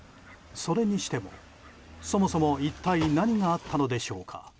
それにしても、そもそも一体何があったのでしょうか。